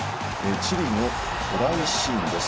チリのトライシーンですね。